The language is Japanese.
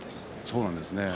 そうなんですよね。